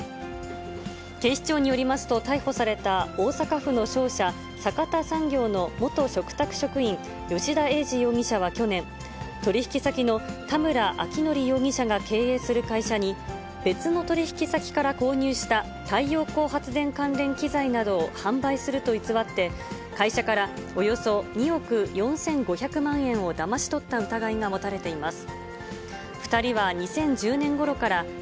警視庁によりますと、逮捕された大阪府の商社、阪田産業の元嘱託職員、吉田英司容疑者は去年、取り引き先の田村昭成容疑者が経営する会社に、別の取り引き先から購入した太陽光発電関連機材などを販売すると偽って、会社からおよそ２億４５００万円をだまし取った疑いが持たれています。